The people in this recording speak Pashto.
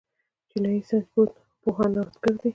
چینايي ساینس پوهان نوښتګر دي.